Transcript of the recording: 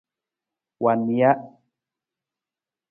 Wa nija.